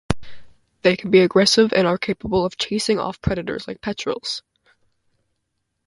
They can be aggressive and are capable of chasing off predators like petrels.